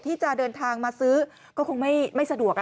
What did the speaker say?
ที่จะเดินทางมาซื้อก็คงไม่สะดวก